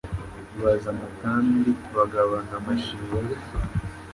Baza amatandi bagabana amashinga